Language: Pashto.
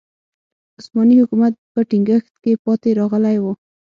عثماني حکومت په ټینګښت کې پاتې راغلی و.